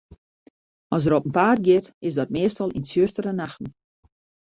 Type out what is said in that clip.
As er op 'en paad giet, is dat meastal yn tsjustere nachten.